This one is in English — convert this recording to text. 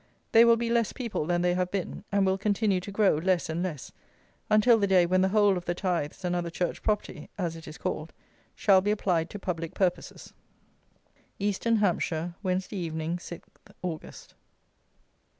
They will be less people than they have been, and will continue to grow less and less, until the day when the whole of the tithes and other Church property, as it is called, shall be applied to public purposes. _Easton (Hampshire), Wednesday Evening, 6th August.